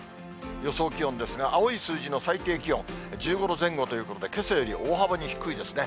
予想気温ですが、青い数字の最低気温、１５度前後ということでけさより大幅に低いですね。